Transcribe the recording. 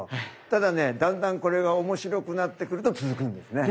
ただねだんだんこれが面白くなってくると続くんですね。